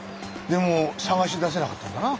でも捜し出せなかったんだな。